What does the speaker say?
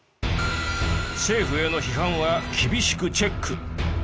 政府への批判は厳しくチェック！